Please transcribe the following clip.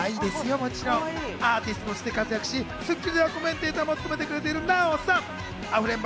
もちろんアーティストとして活躍し『スッキリ』ではコメンテーターも務めてくれているナヲさん。